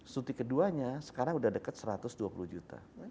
suti keduanya sekarang udah dekat satu ratus dua puluh juta